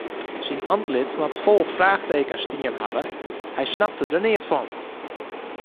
Syn antlit moat fol fraachtekens stien hawwe, hy snapte der neat fan.